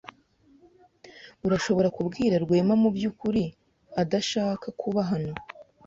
Urashobora kubwira Rwema mubyukuri adashaka kuba hano.